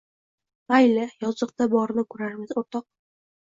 – Mayli, yoziqda borini ko‘rarmiz, o‘rtoq